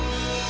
ya udah deh